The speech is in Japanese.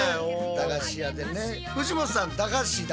駄菓子屋でね。